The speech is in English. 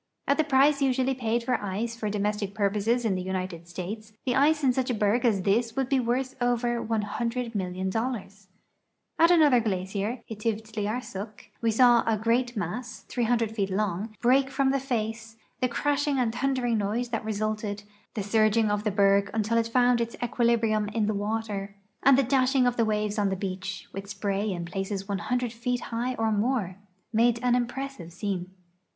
At the price usually paid for ice for domestic purposes in the United States, the ice in such a berg as this would be worth over $100,000,000. At another glacier, the Itivd liarsuk, we saw a great mass, 300 feet long, break from the face ; the crashing and thundering noise that resulted, the surging of A SUMMER VOYAG/': TO THE ARCTIC lo: the berg until it found its equilibrium in the water, and the dashing of the waves on the beach, with spray in phiccs KH) feet high or more, made an impressive scene.